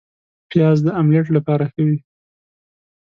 پیاز د املیټ لپاره ښه وي